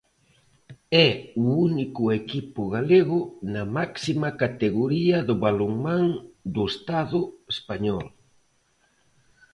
É o único equipo galego na máxima categoría do balonmán do Estado español.